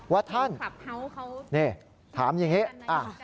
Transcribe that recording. ว่าท่านเขานี่ถามอย่างนี้